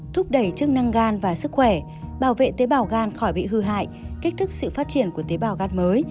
thúc đẩy chức năng gan và sức khỏe bảo vệ tế bào gan khỏi bị hư hại kích thích sự phát triển của tế bào gant mới